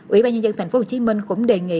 ủy ban nhân dân tp hcm cũng đề nghị